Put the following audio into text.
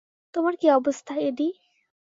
তোমার কী অবস্থা, এডি?